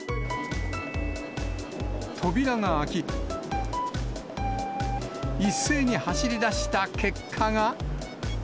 扉が開き、一斉に走り出した結果が。